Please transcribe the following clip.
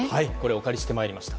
お借りしてまいりました。